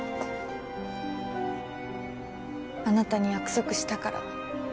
あなたに約束したから。